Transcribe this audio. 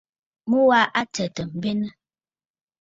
Mu wa a tsɛ̂tə̀ m̀benə.